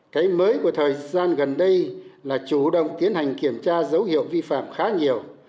cái mới của thời gian gần đây là chủ động tiến hành kiểm tra dấu hiệu vi phạm khá nhiều